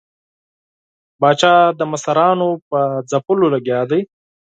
پاچا د مشرانو په ځپلو لګیا دی.